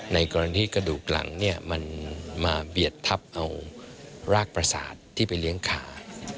ในกรณีกระดูกหลังมันมาเบียดทับเอารากประสาทที่ไปเลี้ยงขา